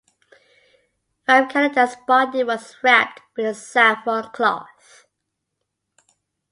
Vivekananda's body was wrapped with a saffron cloth.